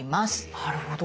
なるほど。